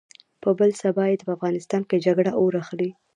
په بل سبا يې په افغانستان کې جګړه اور اخلي.